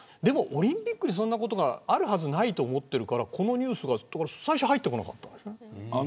オリンピックにそういうことがあるはずないと思ってるからこのニュースが、最初入ってこなかった。